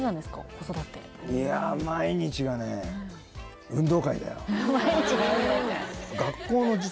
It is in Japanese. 子育ていや毎日が運動会すごい！